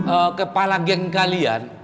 eh kepala geng kalian